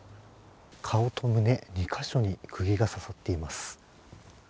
顔と胸、２カ所にくぎが刺さっています。